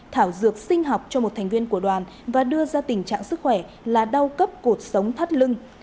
thảo dược sinh học cho một thành viên của đoàn và đưa ra tình trạng sức khỏe là đau cấp cuộc sống thắt lưng